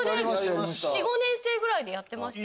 ４５年生ぐらいでやってました。